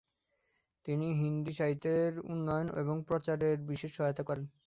তিনি হিন্দী সাহিত্যের উন্নয়ন ও প্রচারে বিশেষ সহায়তা করেন।